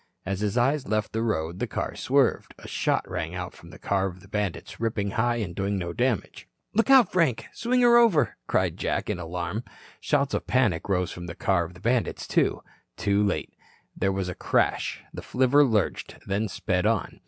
As his eyes left the road, the car swerved. A shot rang out from the car of the bandits, ripping high and doing no damage. "Look out, Frank. Swing her over," cried Jack in alarm. Shouts of panic rose from the car of the bandits, too. Too late. There was a crash, the flivver lurched, then sped on.